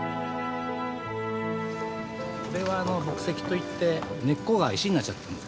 これは木石といって根っこが石になっちゃったんです。